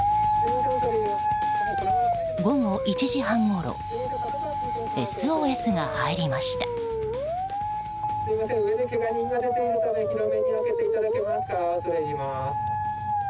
午後１時半ごろＳＯＳが入りました。